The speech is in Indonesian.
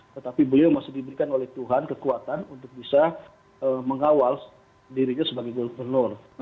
tetapi beliau masih diberikan oleh tuhan kekuatan untuk bisa mengawal dirinya sebagai gubernur